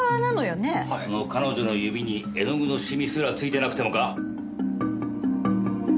その彼女の指に絵の具の染みすらついてなくてもか？